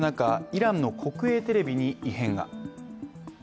イランの国営テレビに異変が。